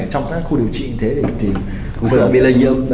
cũng sợ bị lây nhiễm